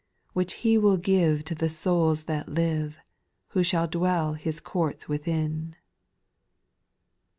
Which He will give To the souls that live. Who shall dwell His courts within.